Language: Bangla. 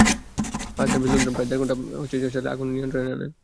ফায়ার সার্ভিসের লোকজন প্রায় দেড় ঘণ্টা চেষ্টা চালিয়ে আগুন নিয়ন্ত্রণে আনেন।